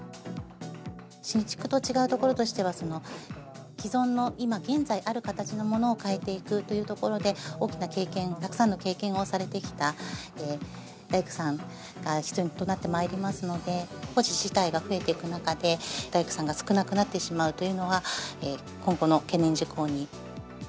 新築と違うところとしては、既存の今、現在ある形のものを変えていくというところで、大きな経験、たくさんの経験をされてきた大工さんが必要となってまいりますので、工事自体が増えていく中で、大工さんが少なくなってしまうというのは、今後の懸念事項に。